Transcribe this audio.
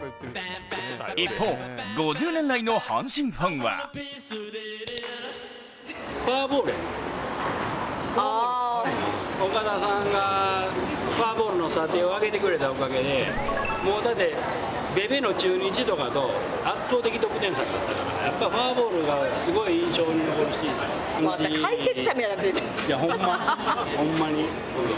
一方、５０年来の阪神ファンは岡田さんが、フォアボールの査定を上げてくれたおかげでだって、ドベの中日とかと圧倒的フォアボール差フォアボールがすごい印象に残るシーズン。